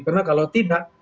karena kalau tidak